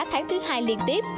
tháng thứ hai liên tiếp